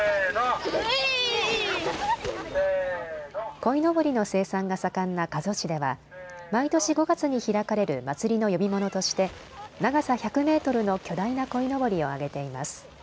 こいのぼりの生産が盛んな加須市では毎年５月に開かれる祭りの呼び物として長さ１００メートルの巨大なこいのぼりを揚げています。